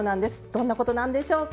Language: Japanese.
どんなことなんでしょうか。